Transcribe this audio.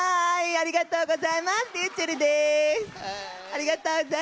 ありがとうございます。